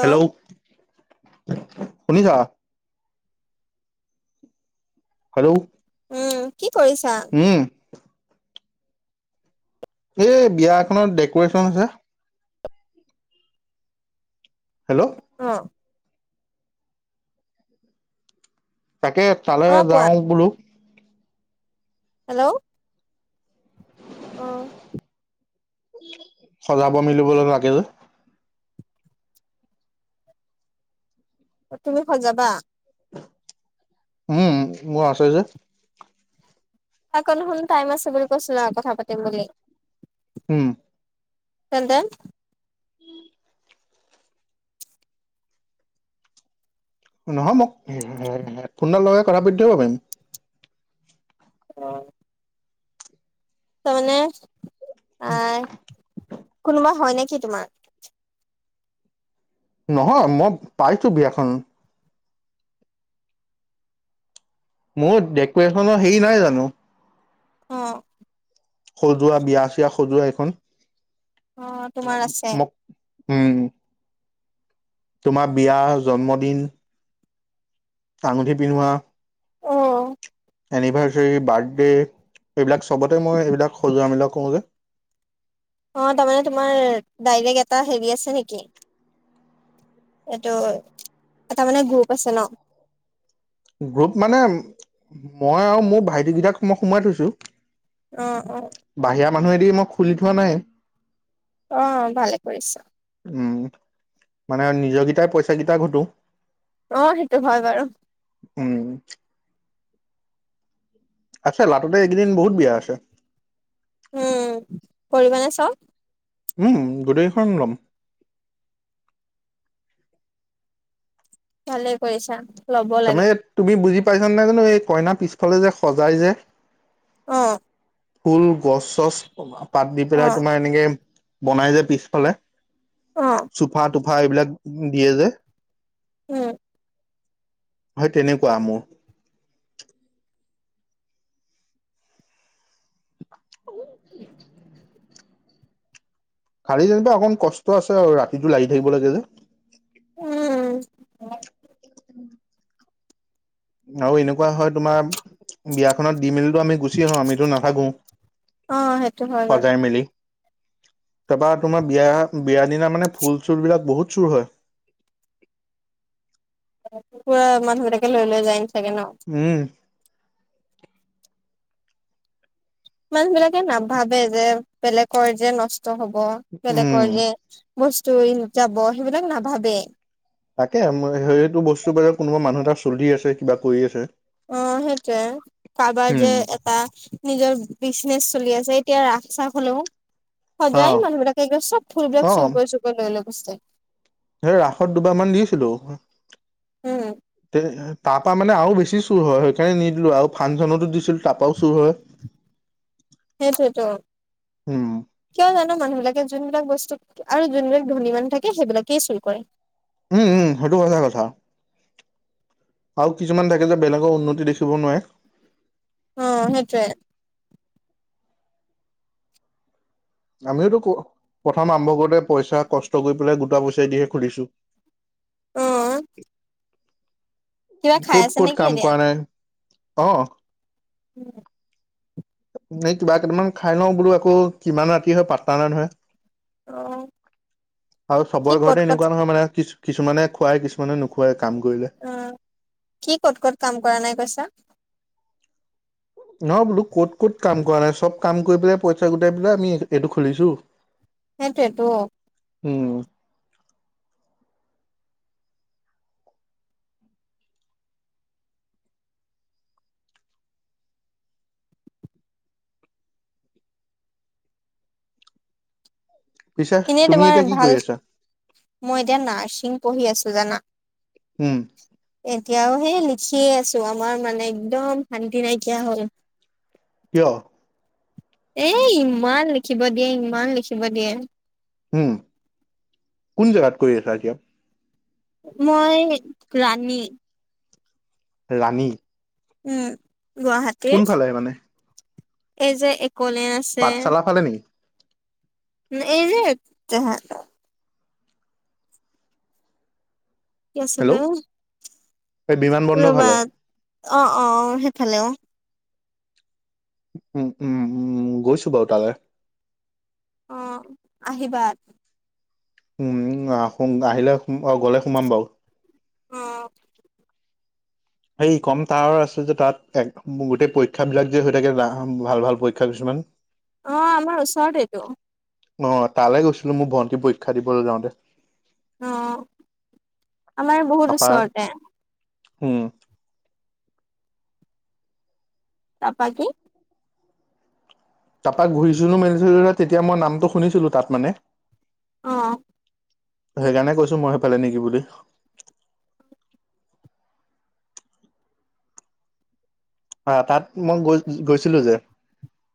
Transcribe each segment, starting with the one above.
Hello, শুনিছাঁ? Hello, উম কি কৰিছাঁ? উম। এই বিয়া এখনত ডেক'ৰেচন আছে। হেল্ল। অ। তাকে তালে অ কোৱা যাওঁ বোলো। হেল্লও অ। সজাব মেলিবলৈ লাগে যে। অ তুমি হৈ সজাবা? উম মোৰ আছে যে আকৌ দেখুন টাইম আছে বুলি কৈছিলা কথা পাতিম বুলি। উম। তেন্তেন নহয় মোক হে-হে-হেডফোন লগাই কথা পাতি থাকিব পাৰিম। অ' তাৰমানে কোনোবা হয় নেকি তোমাৰ? নহয় মই পাইছো বিয়াখন। মোৰ ডেকৰেশ্যনৰ হেৰি নাই জানোঁ। অ। সজোৱা বিয়া চিয়া সজোৱা এইখন অ তোমাৰ আছে মোক, উম তোমাৰ বিয়া, জন্মদিন আঙুঠি পিন্ধোৱা অ' এনিভাৰ্চাৰী, বাৰ্থডে এইবিলাক চবতে মই এইবিলাক সজোৱা মেলা কৰো যে। অ' তাৰমানে তোমাৰ ডাইৰেক্ট এটা হেৰি আছে নেকি? এইটোও হয়। এটা মানে গ্ৰুপ আছে ন? গ্ৰুপ মানে মই আৰু মোৰ ভাইটি কেইটাক মই সোমাৱাই থৈছো। অঁ, অঁ। বাহিৰা মানুহেদি মই খুলি থোৱা নাই। অ' ভালে কৰিছাঁ। উম মানে নিজকেইটাই পইচা কেইটা ঘটো। অ সেইটো হয় বাৰু। উম। আটছা, লাটতে এইকেইদিন বহুত বিয়া আছে। উম কৰিবানে চাওঁ উ গোটেইখন ল'ম। ভালেই কৰিছা। ল'ব লাগে তাৰমানে এই তুমি বুজি পাইছানে জানো, এই কইনা পিছফালে যে সজাই যে? অঁ। ফুল, গছ-চছ, পাত দি অ পেলাই তোমাৰ এনেকে বনাই যে পিছফালে। অঁ। চোফা-টোফা এইবিলাক দিয়ে যে উম। হয় তেনেকুৱা মোৰ। হয় নেকি। খালি যেনিবা অকণ কষ্ট আছে আৰু ৰাতিটো লাগি থাকিব লাগে যে। উম' আৰু এনেকুৱা হয় তোমাৰ, বিয়াখনত দি মেলি টো আমি গুচি আহো, আমিতো নাথাকো, অ সেইটো হয় বাৰু সজাই-মেলি। তাৰপা তোমাৰ বিয়া বিয়া দিনা মানে ফুল চুল বিলাক বহুত চুৰ হয়। কুকুৰা মানুহ এনেকে লৈ আনে যায় চাগে ন? উম। মানুহ বিলাকে নাভাবে যে, বেলেগৰ যে নষ্ট হব উম বেলেগৰ যে বস্তু উই যাব সেইবিলাক নাভাবে। তাকে সেইটো বস্তু বেলেগ কোনোবা মানুহ এটা চলি আছে, কিবা কৰি আছে। অ সেইটোৱে কাৰোবাৰ উম যে এটা নিজৰ বিজনেচ চলি আছে, এতিয়া ৰাস-চাস হলেও অ সদাই মানুহবিলাকে একদম চব ফুলবিলাক অ চুৰ কৰি, চুৰ কৰি লৈ লৈ গৈছে। ৰাসত দুবাৰ মান দিছিলো, উম তাৰপা মানে আৰু বেছি চুৰ হয়, সেইকাৰণে নিদিলো আৰু ফানচনতো দিছিলো তাৰপাও চুৰ হয়। [unintelligible] সেইটোৱেতো। উম কিয় জানো মানুহবিলাকে যোনবিলাক বস্তু আৰু যোনবিলাক ধনী মানুহ থাকে সেইবিলাকেই চুৰ কৰে। উম উম সেইটো সছা কথা। আৰু কিছুমান থাকে যে বেলেগৰ উন্নতি দেখিব নোৱাৰে। উ সেইটোৱে। আমিওতো প্ৰথম আৰম্ভ কৰতে পইচা কষ্ট কৰি পেলাই গোটা পইচাই দিহে খুুলিছো। অঁ। খাই আছে ক'ত-ক'ত নেকি কাম কৰা এতিয়া নাই অঁ। ও [unintelligible] এ কিবা কেইটামান খাই লওঁ বোলো আকৌ কিমান ৰাতি হয় পাত্তা নাই নহয়। অ', আৰু কি চবৰে ক'ত ঘৰতে ক'ত এনেকুৱা নহয় মানে কিছু কিছুমানে খুৱাই, কিছুমানে নোখুৱাই কাম কৰিলে। অঁ, কি ক'ত ক'ত কাম কৰা নাই কৈছা? নহয় বোলো ক'ত ক'ত কাম কৰা নাই, চব কাম কৰি পেলাই পইচা গোটাই পেলাই আমি এইটো খুলিছো। সেইটোৱেতো উম। পিছে এনেই তুমি এতিয়া তোমাৰ কি ভাল, কৰি আছা মই এতিয়া নাৰ্ছিং পঢ়ি আছো জানা। উম। এতিয়াও সেই লিখিয়ে আছো, আমাৰ মানে একদম শান্তি নাইকিয়া হ'ল। কিয়? এ ইমান লিখিব দিয়ে, ইমান লিখিব দিয়ে। উম, কোন জেগাত কৰি আছা এতিয়া? মই ৰাণী। ৰাণী। উম গুৱাহাটীৰ কোনফালে মানে এই যে একলে পাট চালা সফালে নেকি? এই যে তেহত কি আছিলে হেল্ল' এই বিমান বন্দৰ ফালে ৰবাত অ অ সেইফালে অ উম উম উম গৈছো বাৰু তালে অ আহিবা। সোম আ সোম আহিলে গ'লে সোমাম বাও। অ। সেই কম তাৱাৰ আছে যে তাত গোটেই পৰীক্ষাবিলাক যে হৈ থাকে ভাল ভাল পৰীক্ষা কিছুমান [inaudible] অ আমাৰ ওচৰতেটো। অ তালে গৈছিলো মোৰ ভণ্টি পৰীক্ষা দিবলৈ যাওঁতে। অ আমাৰ বহুত ওচৰতে। হম। তাপাকি তা পা ঘূৰিছিলো মেলিছিলোঁ তেতিয়া মই নামটো শুনিছিলো তাত মানে। অ। সেইকাৰণে কৈছো মই সেইফালে নেকি বুলি। অ তাত মই গৈ গৈছিলো যে,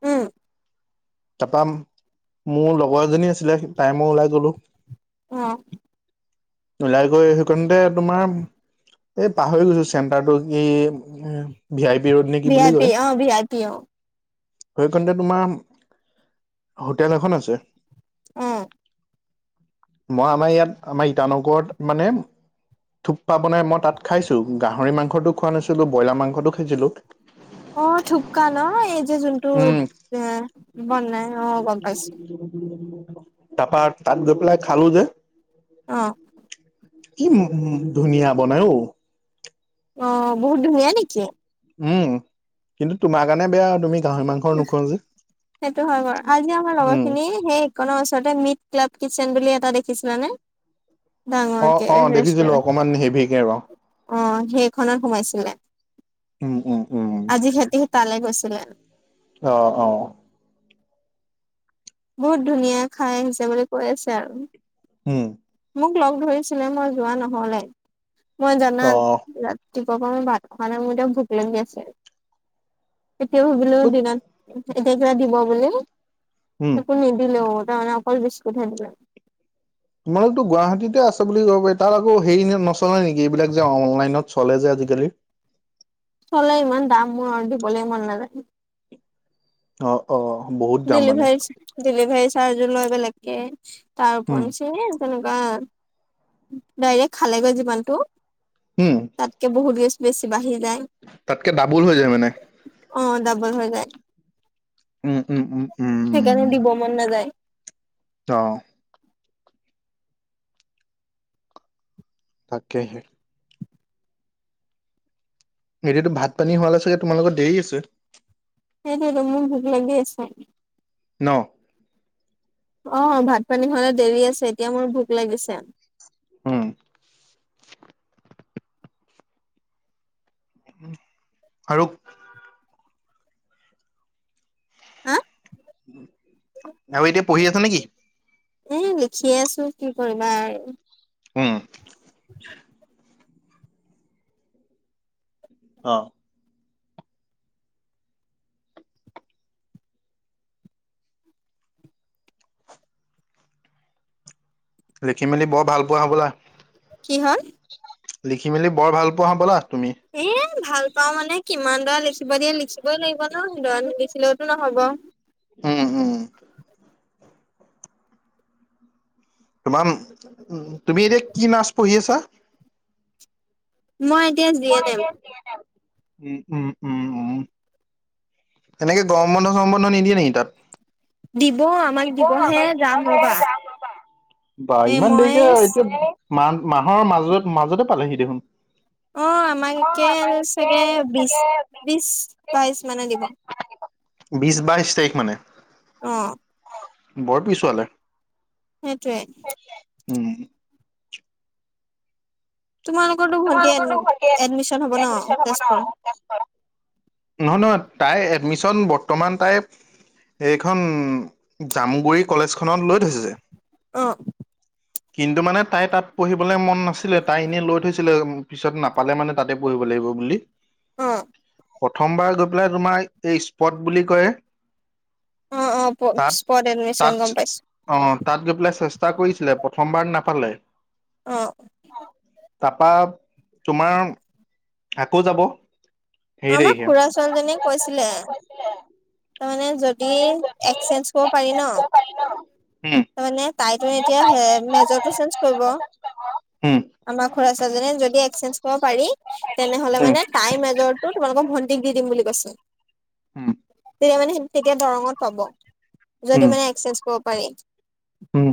উম। তা পা মোৰ লগৰ এজনী আছিলে তাই মই ওলাই গলোঁ। অ। ওলাই গৈ সেইকাৰণতে তোমাৰ এই পাহৰি গৈছো চেণ্টাৰ টো কি ভি আই পি ৰোড নেকি ভি বুলি আই পি কয়। অ ভি আই পি অ সেইখনতে তোমাৰ হোটেল এখন আছে। অ। মই আমাৰ ইয়াত আমাৰ ইটানগৰত মানে থোপা বনাই তাত খাইছোঁ গাহৰি মাংসটো খোৱা নাছিলোঁ ব্ৰইলাৰ মাংসটো খাইছিলোঁ। অ থোপকা ন এই যে যোনটো উম এ বনাই অ গম পাইছোঁ। [unintelligible] তা পা তাত গৈ পেলাই খালো যে, অ। কি উ উ ধুনীয়া বনাই ঔ। অ বহুত ধুনীয়া নেকি? উম কিন্তু তোমাৰ কাৰণে বেয়া তুমি গাহৰি মাংস আহ্ নোখোৱা যে সেইটো হয় বাৰু আজি আমাৰ লগৰ উম খিনি সেই ইকনৰ ওচৰতে মিট ক্লাব কিটচেন বুলি এটা দেখিছিলানে? অ ডাঙৰ কে অ দেখিছিলো ৰেষ্টুৰে- অকমান হেভিকে ৰ অ সেইখনত সোমাইছিলে। উম উম উম আজি সিহঁতি‌হত তালৈ গৈছিলে', অহ', - অহ', বহুত ধুনীয়া খাই আহিছে বুলি কৈ আছে আৰু', হুম', মোক লগ ধৰিছিলে মই যোৱা নহ'লে, মই অ জানাত বিৰাট ৰাতিপুৱা পা মই ভাত খোৱা নাই, মোৰ এতিয়া ভোক লাগি আছে। এতিয়া ভাবিলো বুত দিন এতিয়া কিবা দিব বুলি উম একো নিদিলেও তাৰমানে অকল বিস্কুট হে দিলে। তোমালোকতো গুৱাহাটীতে আছে বুলি ক'ব পাৰি তাৰ আকৌ হেৰি নে নচলে নেকি এইবিলাক যে অনলাইনত চলে যে আজিকালি', চলে, ইমান দাম, মোৰ দিবলৈ মন নাযায়', অহ', - অহ', বহুত দাম মানে? ডেলিভাৰী ডেলিভাৰী চাৰ্জো লয় বেলেগকে তাৰ উম ওপৰেনচে এই', তেনেকুৱা, অ', ডাইৰেক্ট খালেগৈ যিমানটো, উম তাতকে বহুত গেষ্ট', বেছি বাঢ়ি যায়', তাতকে ডাবুল হৈ যায় মানে', অ', ডাবোল হৈ যায়', উম', - উম', - উম', - উম', সেইকাৰণে দিব মন নাযায়', তা', অ', অকে হে', এতিয়াটো ভাত পানী হোৱালে চাগে তোমালোকৰ দেৰি আছে? সেইটোৱে ত মোৰ ভোক লাগি আছে', ন', অ', ভাত পানী হ'লে দেৰি আছে এতিয়া মোৰ ভোক লাগিছে', উম', উ আৰুক', আ', উম', আৰু এতিয়া পঢ়ি আছ নেকি? এ', লিখিয়ে আছোঁ, কি কৰিবা আৰু? ওহ', [unintelligible] অ', লিখি মেলি বৰ ভাল পোৱা হ'বলা? কি হ'ল? লিখি মেলি বৰ ভাল পোৱা হ'বলা তুমি? এ', ভাল পাওঁ মানে কিমান বাৰ লিখিব দিয়ে লিখিবই লাগিব', ন', দৰানো নিলিখিলেওতো নহ'ব', উম', - হুম', তোমাৰ উম', উম', -উম', তুমি এতিয়া কি নাৰ্ছ পঢ়ি আছা? মই এতিয়া জি', মই এন এম এতিয়া জি এ নেম, উম', - উম', - উম', -উম', এনেকে গৰম বন্ধ চৰম বন্ধ নিদিয়ে নেকি তাত? দিব আমাক দিব, দিবহে আমাক দিব যাম হে, ৰ'বা যাম ৰবা, বা, এ ইমান মই দেৰিকে এতিয়া', মান', - মাহৰ মাজত', - মাজতে', পালেহি দেখোন', অ', আমাক একে চাগে বিশ', - বিশ', বাইশ মানে দিব', বিশ বাইশ তাৰিখ মানে? অহ', বৰ পিছোৱালে', সেইটোৱে', সেইটোৱে', উম', ' তোমালোকৰতো ভন্টি তোমালোকৰো এডমিশন হ'ব ছেকেণ্ড ন এডমিশন হব ন? তেজপুৰত ক্লাচ কৰা? নহয়', - নহয়', তাই এডমিশন বৰ্তমান তাই', এইখন, জামুগুৰি কলেজখনত লৈ থৈছে যে', অহ', কিন্তু মানে তাই তাত পঢ়িবলে মন নাছিলে তাই এনেই লৈ থৈছে। [unintelligible] পিছত নাপালে মানে তাতে পঢ়িব লাগিব বুলি। অ', প্ৰথমবাৰ গৈ পেলাই তোমাৰ এই স্পট বুলি কয়ে অ', অ, প স্প'ৰ্ট এডমিশ্যন তাত গম পাইছোঁ। অ, তাত গৈ পেলাই চেষ্টা কৰিছিলে প্ৰথমবাৰ নাপালে। অ', তাপা তোমাৰ আকৌ যাব। হেৰি আমাক তাৰিখে খুৰা ছোৱালীজনীয়ে কৈছিলে। ত'মানে যদি এক্সেচেঞ্জ কৰিব পাৰি ন' উম ত' মানে তাইতো এতিয়া হে মেজৰটো চেঞ্জ কৰিব। উম আমাৰ খুৰাছোৱালী জনে যদিএক্সেচেঞ্জ কৰিব পাৰি তেনেহলে উম মানে তাই মেজৰ টো তোমালোকক ভণ্টিক দি দিম বুলি কৈছে। উম, তেতিয়া মানে তেতিয়া দৰঙত পাব উম যদি উম মানে এক্সচেঞ্জ কৰব পাৰি। উম,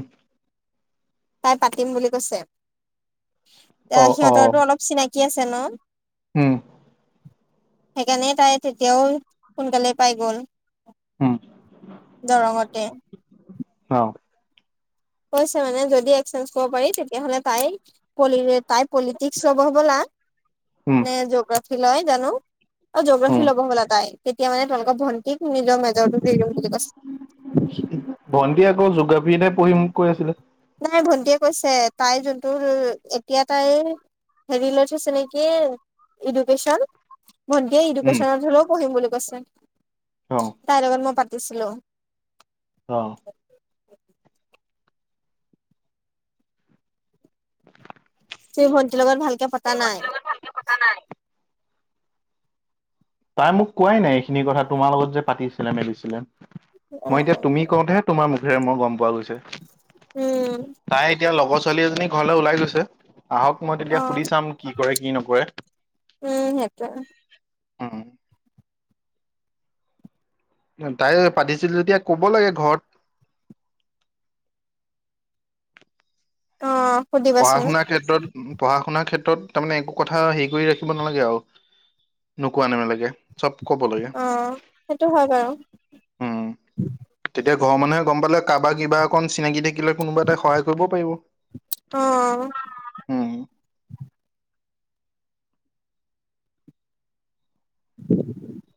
তাই পাতিম বুলি কৈছে এ অ সিহঁতৰটো অলপ চিনাকি আছে ন'? হম। সেইকাৰণে তাই তেতিয়াও সোনকালে পাই গ'ল। [inaudible] দৰঙতে। হাওঁ। কৈছে মানে যদি এক্সেঞ্জ কৰিব পাৰি তেতিয়াহ'লে তাই পলিৰে তাই পলিটিক্স ল'ব হবলা। উম নে জিঅ'গ্ৰাফি লয় জানো অ, উম জিঅগ্ৰাফি ল'ব হবলা তাই। তেতিয়া মানে তোমাকলোকৰ ভণ্টিক নিজৰ মেজৰটো দি দিম বুলি কৈছে। ভন্টি আকৌ জোগ্ৰাফি এটাই পঢ়িম কৈ আছিলে। নাই ভন্টিয়ে কৈছে তাই যোনটো এতিয়া তাইৰ হেৰি লৈছে নেকি চিনাকিয়ে ইদু কেচনই মল। ভণ্টীয়ে উম এডুকেশ্যনত হ'লেও পঢ়িম বুলি কৈছে। অ', তাইৰ লগত মই পাটিছিলোঁ। অহ ', তুমি ভন্টিৰ লগত ভালকে পতা নাই? নাই। তাই মোক কোৱাই নাই এগইখিনি কথা তোমাৰ লগত যে পাতিছিলে মেলিছিলে উম মই এতিয়া তুমি কওঁতেহে তোমাৰ মুখেৰে মই গম পোৱা গৈছে। উম। তাই এতিয়া লগৰ ছোৱালী এজনী ঘৰলৈ ওলাই গৈছে আহক মই অ তেতিয়া সুধি চাম কি কৰে কি নকৰে। উম, সেইটোয়ে। উম - উম [unintelligible] তাই পাতিছিল যেতিয়া ক'ব লাগে ঘৰত। অ', পঢ়া সুধিবাচোন -শুনা ক্ষেত্ৰত পঢ়া- শুনা ক্ষেত্ৰত তাৰমানে একো কথা হেৰি কৰি ৰাখিব নালাগে আৰু। নোকোৱা নেমেলাগে চব ক'ব লাগে। অ, সেইটো হয় বাৰু। উম [inaudible] তেতিয়া ঘৰৰ মানুহে গম পালে কাৰোবাৰ কিবা অকন চিনাকি থাকিলে কোনোবা এটা সহায় কৰিব‌ও পাৰিব। অ। উম। [unintelligible]